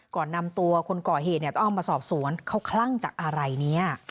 ก่อนนำตัวคนก่อเหตุเนี่ยต้องเอามาสอบสวนเขาคลั่งจากอะไรเนี่ย